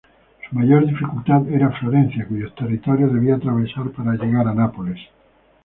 Su mayor dificultad era Florencia, cuyos territorios debía atravesar para llegar a Nápoles.